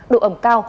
độ ẩm cao